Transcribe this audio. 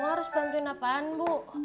kamu harus bantuin apaan bu